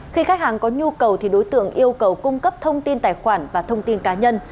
khi khách hàng có nhu cầu thì đối tượng yêu cầu cung cấp thông tin tài khoản và thông tin cá nhân